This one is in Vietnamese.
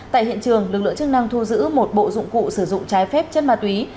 tại hiện trường lực lượng chức năng thu giữ một bộ dụng cụ sử dụng trái phép chất ma túy